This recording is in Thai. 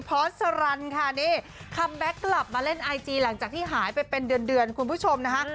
พอสรันค่ะนี่คัมแบ็คกลับมาเล่นไอจีหลังจากที่หายไปเป็นเดือนคุณผู้ชมนะคะ